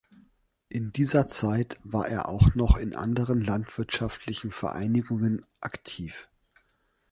In dieser Zeit war er auch noch in anderen landwirtschaftlichen Vereinigungen aktiv.